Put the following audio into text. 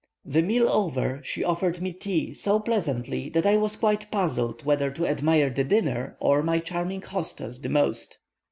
The meal over, she offered me tea so pleasantly that I was quite puzzled whether to admire the dinner or my charming hostess the most.